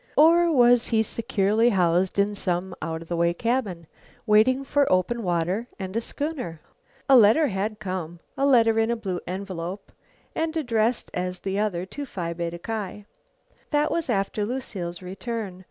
Or was he securely housed in some out of the way cabin, waiting for open water and a schooner? A letter had come, a letter in a blue envelope, and addressed as the other to Phi Beta Ki. That was after Lucile's return.